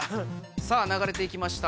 さあながれていきました。